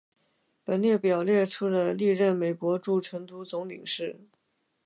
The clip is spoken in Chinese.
本列表列出了历任美国驻成都总领事。